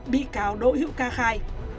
bị cáo đội hữu ca khai